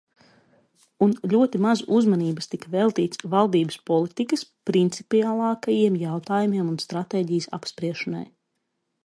Un ļoti maz uzmanības tika veltīts valdības politikas principiālākajiem jautājumiem un stratēģijas apspriešanai.